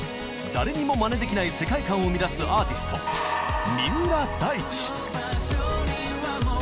誰にもまねできない世界観を生み出すアーティスト三浦大知！